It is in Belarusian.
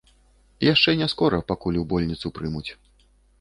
Яшчэ не скора, пакуль у больніцу прымуць.